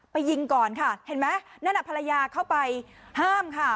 ยิงก่อนค่ะเห็นไหมนั่นน่ะภรรยาเข้าไปห้ามค่ะ